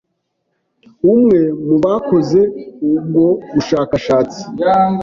umwe mu bakoze ubwo bushakashatsi,